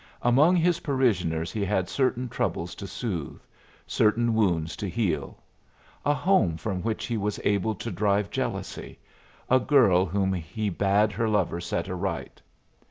Among his parishioners he had certain troubles to soothe, certain wounds to heal; a home from which he was able to drive jealousy; a girl whom he bade her lover set right.